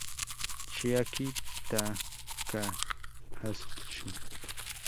Chiaki Takahashi